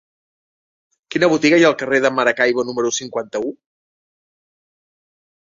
Quina botiga hi ha al carrer de Maracaibo número cinquanta-u?